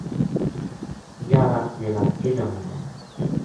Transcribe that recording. یاہ رَکھ ضلع جہلم ما